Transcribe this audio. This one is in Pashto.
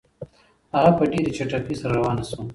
هغه په ډېرې چټکۍ سره روانه شوه.